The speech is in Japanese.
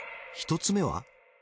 １つ目は？